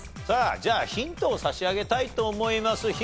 さあじゃあヒントを差し上げたいと思います。